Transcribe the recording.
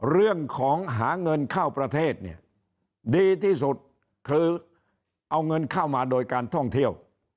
เรื่องของหาเงินเข้าประเทศเนี่ยดีที่สุดคือเอาเงินเข้ามาโดยการท่องเที่ยว